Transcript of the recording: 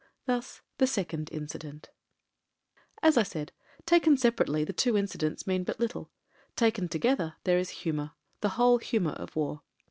... Thus the second inci dent. ...•••>'• As I said, taken separately the two incidents mean but little : taken together — ^there is humour : the whole humour of war.